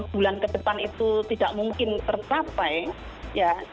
bulan ke depan itu tidak mungkin tercapai ya